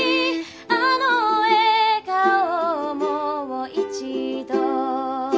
「あの笑顔をもう一度」